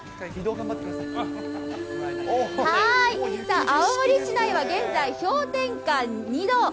さあ、青森市内は現在、氷点下２度。